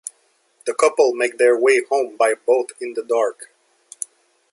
The couple make their way home by boat in the dark.